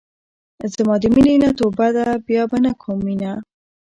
زما د مينې نه توبه ده بيا به نۀ کوم مينه